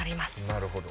なるほど